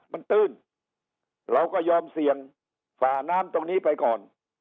มันตื้นเราก็ยอมเสี่ยงฝ่าน้ำตรงนี้ไปก่อน